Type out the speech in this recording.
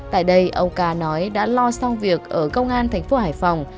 tại đây ông ca nói đã lo xong việc ở công an thành phố hải phòng